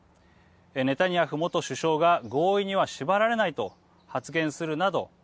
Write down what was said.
ネタニヤフ元首相が合意には縛られないと発言するなど